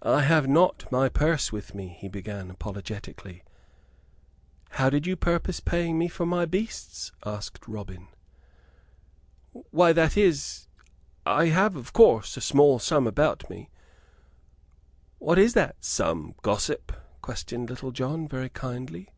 "I have not my purse with me," he began, apologetically. "How did you purpose paying me for my beasts?" asked Robin. "Why that is I have, of course, a small sum about me." "What is that sum, gossip?" questioned Little John, very kindly.